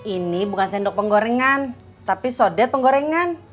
ini bukan sendok penggorengan tapi sodet penggorengan